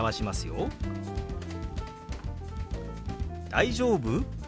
「大丈夫？」。